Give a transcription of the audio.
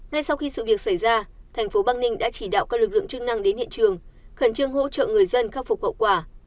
ngay sau khi sự việc xảy ra thành phố bắc ninh đã chỉ đạo các lực lượng chức năng đến hiện trường khẩn trương hỗ trợ người dân khắc phục hậu quả